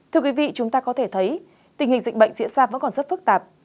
thưa quý vị chúng ta có thể thấy tình hình dịch bệnh diễn ra vẫn còn rất phức tạp